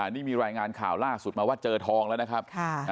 นี่มีรายงานข่าวล่าสุดมาว่าเจอทองแล้วนะครับ